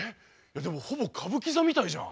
でもほぼ歌舞伎座みたいじゃん。